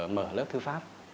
mở lớp thư pháp